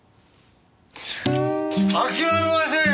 諦めませんよ